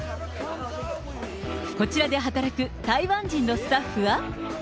こちらで働く台湾人のスタッフは。